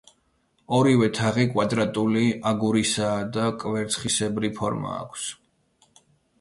ორივე თაღი კვადრატული აგურისაა და კვერცხისებრი ფორმა აქვს.